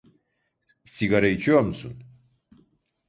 Sigara içiyor musun?